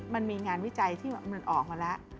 มันมีงานวิจัยที่มันออกมาแล้ว